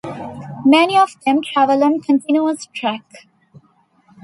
Many of them travel on continuous track.